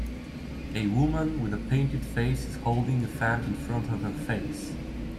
A woman with a painted face is holding a fan in front of her face.